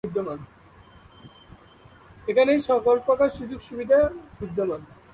এখানে সকল প্রকার সুযোগ সুবিধা বিদ্যমান।